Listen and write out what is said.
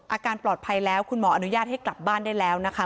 อาการปลอดภัยแล้วคุณหมออนุญาตให้กลับบ้านได้แล้วนะคะ